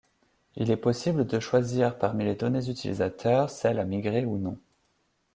Il est possible de choisir parmi les données utilisateur celles à migrer ou non.